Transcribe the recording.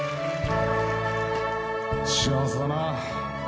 「『幸せだなァ．．．．．．』」